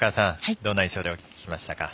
どんな印象で聞きましたか。